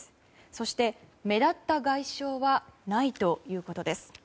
そして、目立った外傷はないということです。